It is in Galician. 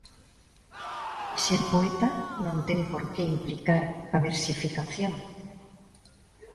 E ser poeta non ten por que implicar a versificación.